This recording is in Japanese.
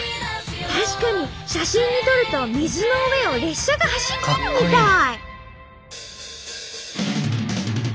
確かに写真に撮ると水の上を列車が走ってるみたい！